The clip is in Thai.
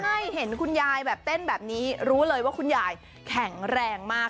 ใช่เห็นคุณยายแบบเต้นแบบนี้รู้เลยว่าคุณยายแข็งแรงมาก